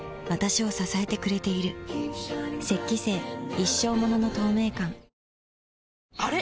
一生ものの透明感あれ？